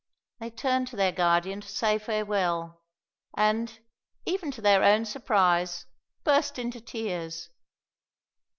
They turned to their Guardian to say farewell, and, even to their own surprise, burst into tears.